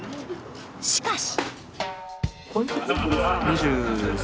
しかし。